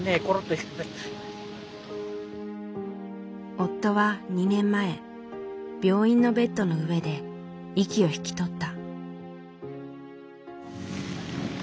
夫は２年前病院のベッドの上で息を引き取った。